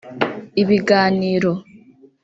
Ibiganiro